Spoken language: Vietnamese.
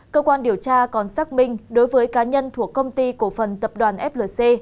cơ quan điều tra còn xác minh đối với cá nhân thuộc công ty cổ phần tập đoàn flc